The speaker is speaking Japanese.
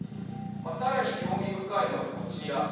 さらに興味深いのはこちら。